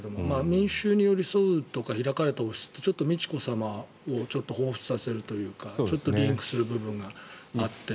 民衆に寄り添うとか開かれた王室ってちょっと、美智子さまをほうふつとさせるというかちょっとリンクする部分があって。